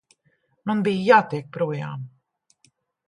Man bija jātiek projām.